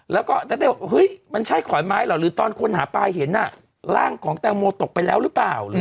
แล้วก็นาเต้ว่าเฮ้ยมันใช่ขอนไม้เหรอหรือตอนคนหาปลาเห็นร่างของแตงโมตกไปแล้วหรือเปล่า